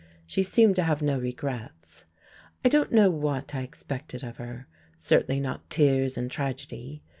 She seemed to have no regrets. I don't know what I expected of her certainly not tears and tragedy.